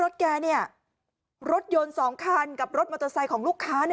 อ้อฟ้าอ้อฟ้าอ้อฟ้าอ้อฟ้าอ้อฟ้า